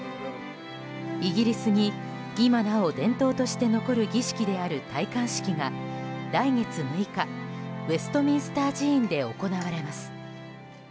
イギリスに今なお伝統として残る儀式である戴冠式が来月６日ウェストミンスター寺院で行われます。